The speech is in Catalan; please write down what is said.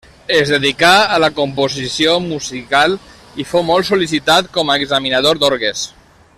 Es dedicà a la composició musical i fou molt sol·licitat com a examinador d'orgues.